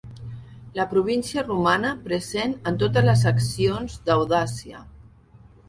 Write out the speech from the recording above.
La província romana present en totes les accions d'audàcia.